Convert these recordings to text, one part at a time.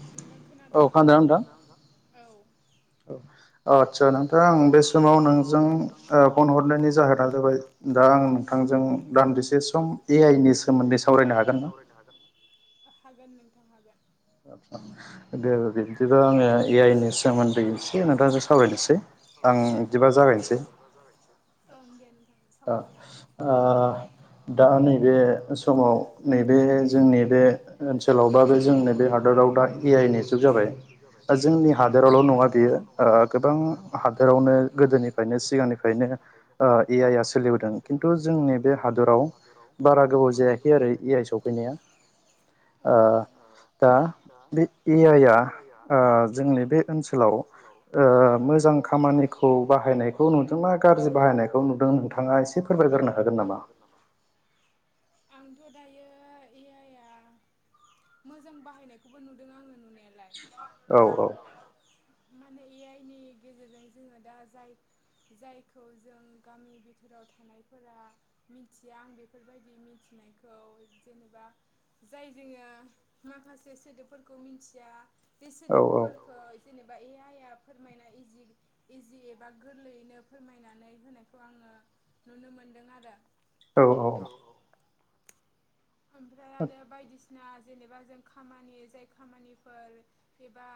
नोंथां खोनादों नोंथां औ। [inaudible] आदसा नोंथां आं बे समाव नोंजों ओ फन हरनायनि जाहोना जाबाय दा आं नोंथांजों दान्दिसे सम ए आइ नि सोमोन्दै सावरायनो हागोन ना? हागोन नोंथां हागोन। दे दे। बिदिबा आङो ए आइ नि सोमोन्दै एसै नोंथांजों सावरायनोसै आं इदिबा जागायनोसै। ओं दे। आ आ दा नैबे समाव नैबे जोंनि बे ओनसोलाव बा बे जोंनि बे हादोराव दा ए आइ नि जुग जाबाय जोंनि हादोरावल' नङा बेयो ओ गोबां हादोरावनो गोदोनिफायनो सिगांनिफायनो ओ ए आइ इउ सो सोलिबोदों खिन्थु जोंनि बे हादराव बारा गोबाव जायाखै आरो ए आइ सौफैनाया ओ दा बे ए आइ आ ओ जोंनि बे ओनसोलाव ओ मोजां खामानिखौ बाहायनायखौ नुदोंना गा गारजि बाहायनायखौ नुदों नोंथाङा एसे फोरमायगोरनो हागोन नामा? दायो ए आइ आ मोजां बाहायनायखौबो नुदों आङो नुनाय औ औ। माने ए आइ नि गेजेरजों जोङो दा जाय जायखौ जों गामि बिथोराव थानायफोरा मिथिया आं बेफोरबायदि मिथि नायखौ जेनेबा जाय जोङो माखासे सोदोबफोरखौ मिनथिया बे सोदोबफोरखौ जेनेबा ए आइआ फोरमायना इजि इजि एबा गोरलैयैनो फोरमायनानै होनायखौ आङो नुनो मोनदों आरो। औ औ ओमफ्राय आरो बायदिसिना जेनेबा जों खामानि जाय खामानिफोर एबा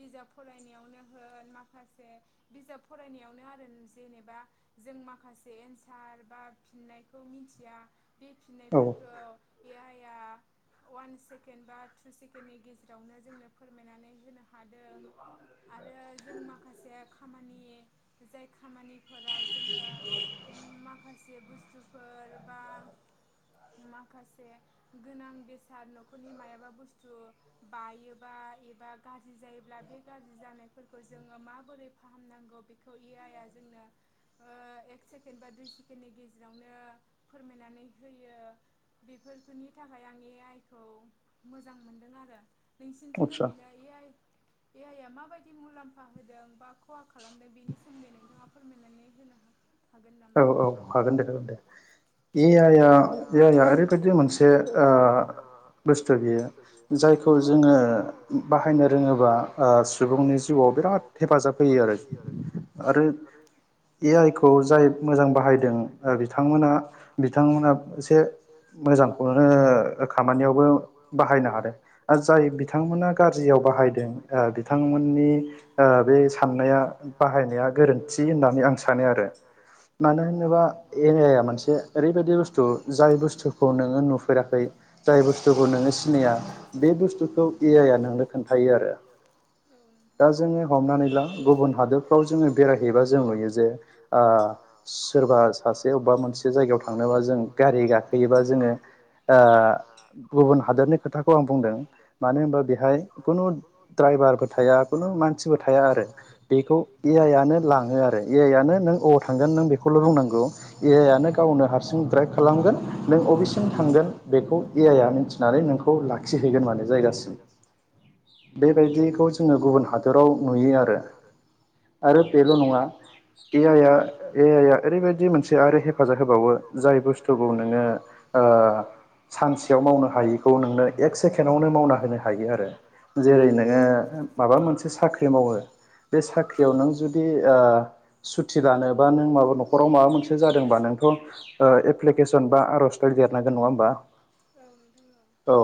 बिजाब फरायनायावनो होन माखासे बिजाब फरायनायावनो आरो जेनेबा जों माखासे एनसार बा फिननायखौ मिनथिया बे फिननायफोरखौ एआइआ अवान सेकेणड बा टु सेकेणडनि गेजेरावनो जोंनो फोरमायनानै होनो हादों आरो जों माखासे [inaudible] [unintelligible] जाय खामानिफोराव जोङो माखासे बुस्थुफोर बा माखासे गोनां बेसाद न'खरनि मायबा बुस्थु बायो [inaudible] [unintelligible] बा गाज्रि जायोब्ला बे गाज्रि जानायफोरखौ जोङो माबोरै फाहामनांगौ बेखौ ए आइ आ जोंनो [inaudible] [unintelligible] ओ‌ एक सेकेण्ड बा दुइ सेकेणडनि गेजेरावनो फोरमायनानै होयो। बेफोरफोरनि थाखाय आंनि आइ खौ मोजां मोनदों आरो। नोंसिरनिथिं ओरैनो इआइ ए आइ आ माबायदि मुलाम्फा होदों बा खहा खालामद बेनि सोमोन्दै नोंथाङा फोरमायनानै होनो हागोन? हागोन नामा? औ औ खोनादों दे ए आइ आ ए आइ आ ओरै बायाददि ओ मोनसे बुस्थु बियो जायखौ जोङो बाहायनो रोङोबा ओ सुबुंनि जिउआव बिराद हेफाजाब होयो आरो। आरो ए आइ खौ जाय। मोजां बाहायदों ओ बिथांमोना बिथांमोना एसे मोजांखौनो खामानियावबो बाहायनो हादों आर जा जाय बिथांमोना गाज्रियाव बाहायदों ओ बिथांमोननि ओ बे साननाया बाहाय बाहायनाया गोरोन्थि होननानै आं सानो आरो। मानो होनोबा एआइ‌ आ मोनसे ओरैबायाददि बुस्थु जाय बुस्थुखौ नोङो। नुफेराखै जाय बुस्थुखौ नोङो सिनाया बे बुस्थु [unintelligible] नंगौ एआइ या नोङो खोन्थायो आरो दा जोंङो हमनानैब गुबुन जोङो बेरायहैयोबा जों नुयो जे। ओ सोरबा सासे अबेबा मोनसे जायगायाव थांनोबा जों गारि गाखोयोबा जोङो। ओ गुबुन हादोरनि खोथाखौ आं बुंदों। मानो होनबा बेहाय खुनु द्राइभारबो थाया खुनु मानसिबो थाया आरो बेखौ इ टाया नो लाङो आरो एआइ आनो नों अ थांगोन नों खौल बुंनांगौ ए आइ आनो गावनो हारसिं द्राराइभ खालामगोन नों अबेसिम थांगोन बेखौ एआइ आ मिथिनानै नोंखौ लाखिहैगोन माने जायगासिम। बेबायदि खौ जोङो गुबुन हादराव नुयो आरो। आरो बेल' नङा ए आइ आ ए एआइ आ रैबायदि मोनसे आरो हेफाजाब होबावो जाय बुस्थुखौ नोङो। ओ सा मोसे मावनो हैखौ नोंनो एक सेकेणनो होनो हायो आरो। जेरै' नोङो माबा मोनसे साख्रि मावो बे साख्रियाव नों जुदि ओ सुथि लानो बा नों माबा न'खराव माबा मोनसे जादोंबा नोंथ' ओ एप्लिकेसन बा आर'जलाइ देरनांगोन नङा होमबा। औ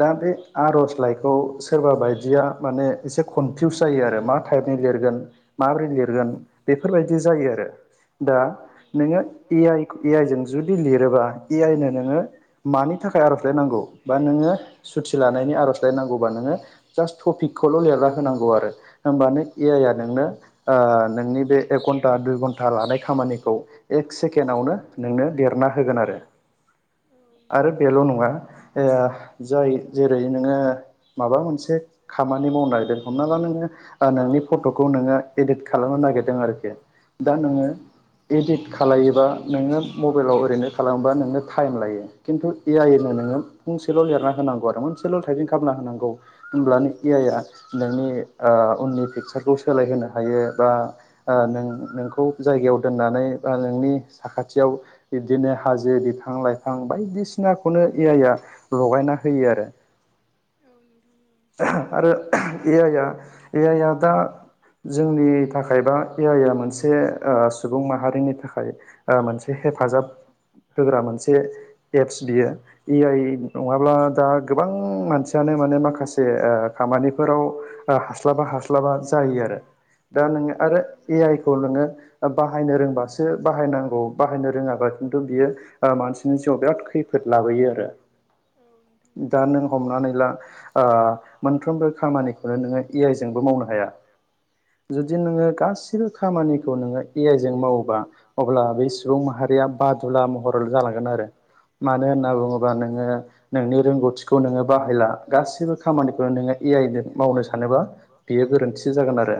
दा। बे आर'जलाइखौ सोरबा बायदिया माने एसे कनफिउस जायो आरो। मा टाइपनि लिरगोन माबोरै लिरगोन बेफोरबायदि जायो आरो। दा नोङो ए आइ ए आइ जों जुदि लिरोबा ए आइनो नोङो। मानि थाखाय आरफेले नांगौ। बा नो सुथि लानायनि आर'जलाइनांगौबा नोङो। जास्ट टपिकखौल' लिरना होनांगौ आरो होमबा नों ए आइ आ नोंनो ओ नोंनि बे ए घनटा दुय घनटा लानाय खामानिखौ एक सेकेणडआवनो नोंनो लेरना होगोन आरो। आरो बेल' नङा ओ जा। जेरै' नोङो माबा मोनसे खामानि मावनो नागिरदों हमना ला नोङो ओ नोंनि फट'खौ नोङो इदिट खालामनो नागिरदों आरोखि दा नोङो। इदिट खालायोबा नोङो मबाइलाव ओरैनो खालामोबा नोङो। टाइम लायो खिन्थु ए आइ नोङो फंसेल' लिरना होनांगौ ससेल टाइफिं खालामना होनांगौ होमब्लानो ए आइ आ नोंनि ओ उननि पिकचारखौ सोलाय होनो हायो बा ओ नों नों खौ जायगायाव दोननानै बा नोंनि साखाथियाव बिदिनो हाजो बिफां लाइफां बायदि दिसिनाखौनो ए आइआ लगायना होयो आरो आरो ए आइ आ ए आइ आ दा जोंनि थाखाय बा ए आइआ मोनसे से ओ सुबुं माहारिनि थाखाय ओ मोनसे हेफाजाब। होग्रा मोनसे एप्स बियो ए आइ नङाब्ला दा गोबां मानसियानो माने माखासे ओ खामानिफोराव हास्लाबा हास्लाबा जायो आरो रो दा नोङो आरो ए आइ खौ नोङो ओ बाहायनो रोंबासो बाहायनांगौ बाहायनो रोङाबा खिुनथु बियो ओ मानसिनि नाव बिराद खैफोद लाबोयो आरो दा नों हमनानै ला ओ मोनफ्रोमबो खामानिखौनो नोङो ए आइ जोंबो मावनो हाया। जुदि नोङो गासिबो खामानिखौ नोङो ए आइ जों मावोबा अब्ला बेै सुबुं माहारिया बादुला महर जालांगोन आरो रो मानो होनना बुङोबा नोङो नोंनि रोंगौथिखौ नोङो बाहायला गासिबो खामानिखौनो नोङो ए आइजों मावनो सानोबा बियो गोरोन्थि दिगदार जागोन आरो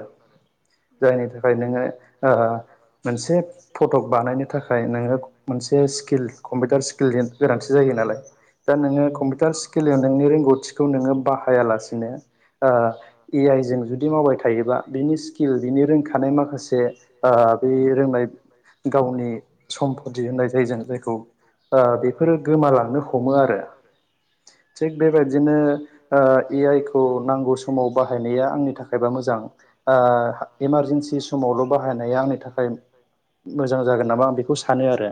जायनि थाखाय नोङो ओ मोनसे फटक बानायनो थाखाय नोङो मोनसे स्किल कम्पिउटार स्किलनि गोनांथि जायो। नालाय दा नोङो कमपिउटार स्किलजों नोंनि रोंथिखौ नोङो बाहायालासिनो ओ ए आइ जों जुदि मावबाय थायोबा बिनि स्किल बिनि रोंखा नाय माखासे ओ बे रोंनाय गावनि सम्पति होननाय जायो जों जायखौ खौ बेफोरो गोमालांनो हमो आरो। थिग बेबायदिनो ओ ए आइ खौ नांगौ समाव बाहायनाया आंनि थाखायबा मोजां ओ इमारजेन्सि इमारजेन्सि समावल' बाहायनाय आंनि थाखाय मोजां जागोन नामा आं बेखौ सानो आरो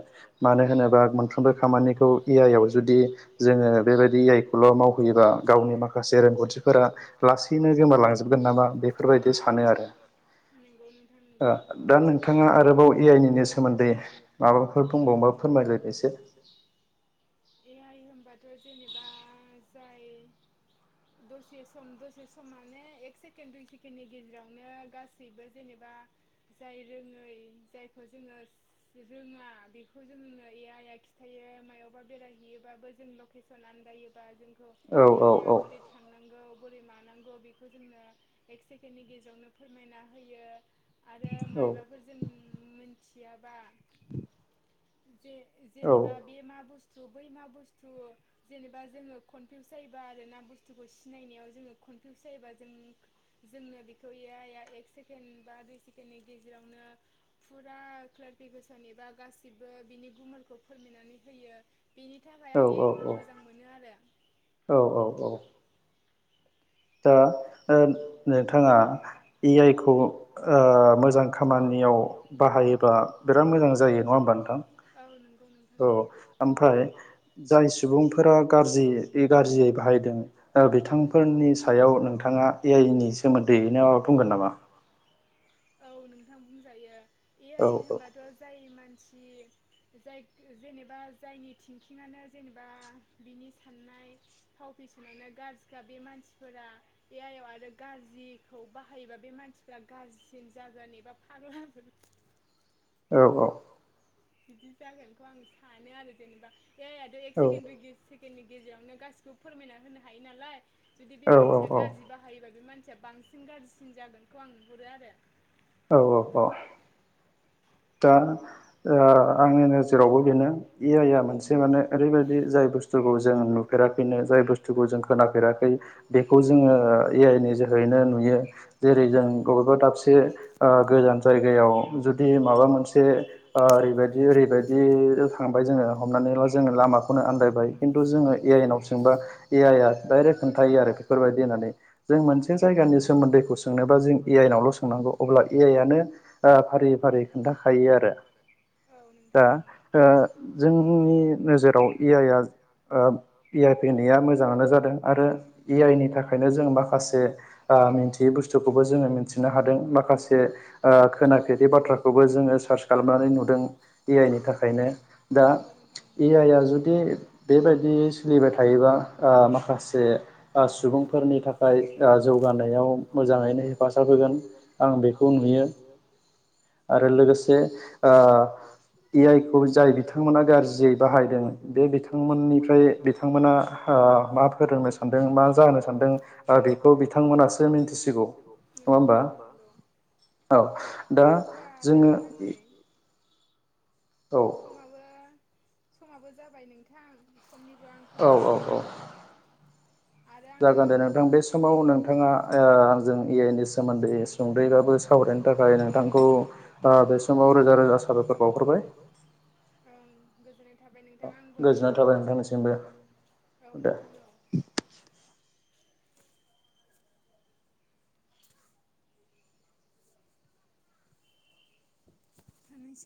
मानो होनोबा मोनफ्रोमबो खामानिखौ ए आइ आव जुदि जोङो बेबायदि ए आइ खौल' मावहैयोबा गावनि माखासे रोंगौथिफोरा लासैनो गोमालांजोबगोन नामा बेफोर बायदि सानो आरो। ओ दा नोंथाङा आरोबाव ए आइनि नो सोमोन्दै माबाफोर दंबावबा फोरमायला एसे। ए आइ होनबाथ' जेनेबा जाय दसे सम दसे सम मानो एक सेकेणड दुइ सेकेणडनि गेजेरावनो गासैबो जेनेबा बा जाय रोङै जायखौ जोङो रोङा बेखौ जोंनो ए आइ या खिथायो मायावबा बेरायहैयोबाबो जों लकेसन आनदायोबा जोंखौ बे ए आइ या बोरै थांनांगौ बोरै मानांगौ बेखौ जोंनो एक सेकेणडनि गेजेरावनो फोरमायना होयो। आरो मायबाफोर जों मिथियाबा जे जेनेबा बे मा बुस्थु बै मा बुस्थु [inaudible] जेनेबा जोङो कनफिउस जायोबा आरो ना बुस्थुखौ सिनायनायाव जोङो कनफिउस जायोबा जों जोंनो बेखौ आइ एक सेकेणड बा दुइ सेकेणडनि गेजेरावनो फुरा क्लेयार फिकेसन एबा गासिबो बिनि गुमुरखौ फोरमायनानै होयो बिनि था खाय आं ए आइ खौ मोजां मोनो आरो। औ औ औ दा ओ नोंथाङा ए आइ खौ मोजां खामानि याव बाहायोबा बिराद मोजां जायो नङा होमबा नोंथां? औ ओमफ्राय जाय सुबुंफोरा गारजि गारजियै बाहायदों बिथांफोरनि सायाव नोंथाङा ए आइनि सोमोन्दैयैनो माबा बुंगोन नामा? औ नोंथां बुंजायो ए आइ होनबाथ' जाय मानसि [inaudible] जाय जेनेबा जायनि थिंकिंआनो जेनेबा बिनि साननाय फाव फैसनानो गाज्रिखा बे मानसिफोरा ए आइ याव आरो गाज्रिखौ बाहायोबा बे मानसिफ्रा गाज्रिसिन जागोन एबा फाग्ला औ औ बिदि जागोनखौ आं सानो आरो जेनेबा ए आइ याथ' एक सेकेन्द दुइ सेके न्डनि गेजेरावनो गासिखौबो फोरमायना होनो हायो नालाय जुदि बे मानसिया गाज्रि बाहायोबा बे मानसि सिया बांसिन गाज्रिन जागोनखौ आं नुहरो आरो औ औ औ दा ओ आंनि नोजोरावबो बेनो ए आइ आ मोनसे माने ओरैबायदि जाय बुस थुखौ जों नुेराखैनो जाय बुस्थुखौ जों खोनाफेराखै बेखौ जोङो ए आइ नि जोहै नो नुयो जेरै जों बबेबा दसे ओ गोजान जायगायाव जुदि माबा मोनसे ओरैबायदि ओरैबायदि थांबाय जोङो हमनानै ला जोङो लामाखौनो आनन्दायबाय खिन्थु जोङो ए आइनाव सोंबा ए आइआ दडायरेक्ट खोन्थायो आरो बेफोरबायदि होननानै जों मोनसे जाय गानि सोमोन्दैखौ सोंनोबा जों ए आइनावल' सोंनांगौ अब्ला ए आइ आनो आ फारि फारि खोन्थाखायो बे आरो दा ओ जोंनि नोजोराव ए आइआ ओ इ आइ फैनाया मोजाङानो जादों आरो ए आइ नि थाखायनो जों माखासे ओ बा मिथियै बुथुखौबो जों मिथिनो हादों माखासे ओ खोनाफेरै बाथ्राखौबो जों जोङो सार्च खालामनानै नुदों ए आइ नि थाखायनो दा ए आइ आ जुदि बेबायदि सोलिबाय थायोबा ओ माखासे सुबुंफोरनि थाखाय ओ जौ जौगानायाव मोजांङैनो हेफाब होगोन आं बेखौ नुयो आरो आरो लोगोसे ओ ए आइ खौ जाय बिथांमोना गाज्रियै बाहायदों बे बिथांमोननिफ्राय बिथांमोना ओ मा फोरोंनो सान्दों मा जानो सानदों बेखौ बिथांमोनासो मिथिसिगौ नङा होमबा औ दा जो दा नोंथां नै औ समाबो जाबाय नोंथां समनिबो आंखाल आरो आङो गो नोंथां बे समाव नोंथाङा जोंनि सोमोन्दै सदयै सावरायनो थाखाय नोंथांखौ ओ बे समाव रोजा रोजा साबायखर बावहरबाय उम गोजोननाय था थाबाय नोंथाङा आंबो औ नोंथां औ [unintelligible]